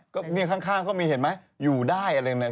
ก็นี่ข้างเขามีเห็นไหมอยู่ได้อะไรแบบนั้นเขาเขียน